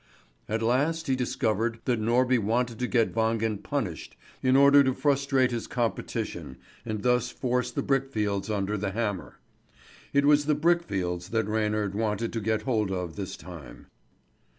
At last he discovered that Norby wanted to get Wangen punished in order to frustrate his composition, and thus force the brickfields under the hammer. It was the brickfields that Reynard wanted to get hold of this time.